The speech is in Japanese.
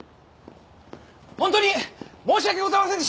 ホントに申し訳ございませんでした。